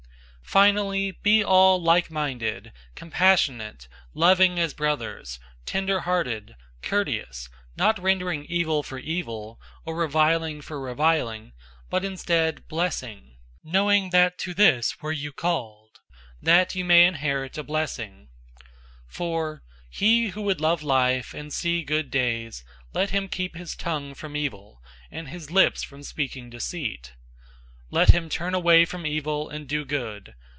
003:008 Finally, be all like minded, compassionate, loving as brothers, tenderhearted, courteous, 003:009 not rendering evil for evil, or reviling for reviling; but instead blessing; knowing that to this were you called, that you may inherit a blessing. 003:010 For, "He who would love life, and see good days, let him keep his tongue from evil, and his lips from speaking deceit. 003:011 Let him turn away from evil, and do good.